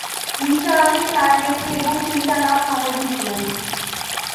নিসার আলি চায়ের কেতলি এবং তিনটা কাপ হাতে ঢুকলেন।